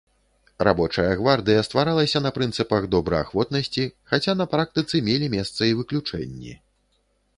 Рабочая гвардыя стваралася на прынцыпах добраахвотнасці, хаця на практыцы мелі месца і выключэнні.